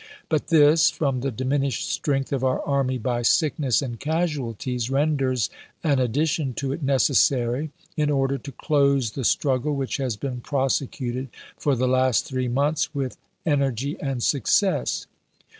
But this, from the diminished strength of our army by sickness and casualties, renders an addition to it necessary in order to close the struggle which has been prosecuted for the last three months with energy and success.